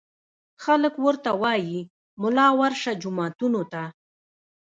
خلک ورته وايي ملا ورشه جوماتونو ته